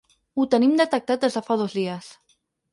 Ho tenim detectat des de fa dos dies.